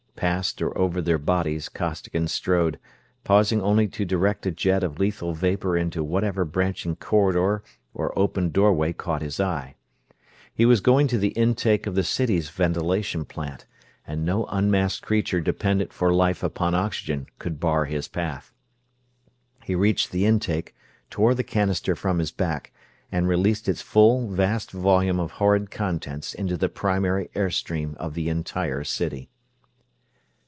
Past or over their bodies Costigan strode, pausing only to direct a jet of lethal vapor into whatever branching corridor or open doorway caught his eye. He was going to the intake of the city's ventilation plant, and no unmasked creature dependent for life upon oxygen could bar his path. He reached the intake, tore the canister from his back, and released its full, vast volume of horrid contents into the primary air stream of the entire city.